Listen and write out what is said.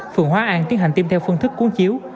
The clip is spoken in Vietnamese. phường hóa an tiến hành tiêm theo phương thức cuốn chiếu